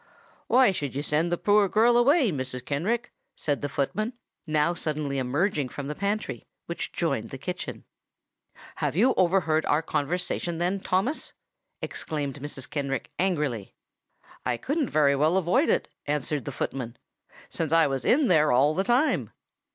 "Why should you send the poor girl away, Mrs. Kenrick?" said the footman, now suddenly emerging from the pantry, which joined the kitchen. "Have you overheard our conversation, then, Thomas?" exclaimed Mrs. Kenrick, angrily. "I couldn't very well avoid it," answered the footman, "since I was in there all the time."